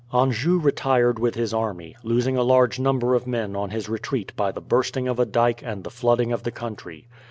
Anjou retired with his army, losing a large number of men on his retreat by the bursting of a dyke and the flooding of the country.